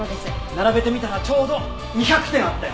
並べてみたらちょうど２００点あったよ。